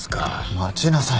待ちなさい。